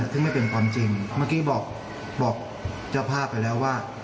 ซึ่งไม่เป็นความจริงเมื่อกี้บอกเจ้าภาพไปแล้วว่า